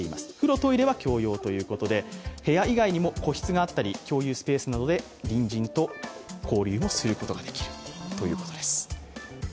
部屋以外にも個室があったり、共有スペースなどで隣人と交流をすることができるということです。